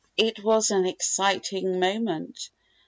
It was an exciting moment.